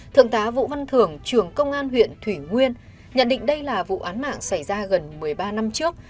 thượng tá vũ văn thưởng trưởng công an huyện thủy nguyên nhận định đây là vụ án mạng xảy ra gần một mươi ba năm trước